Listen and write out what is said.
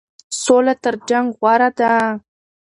سوله تر جنګ غوره ده.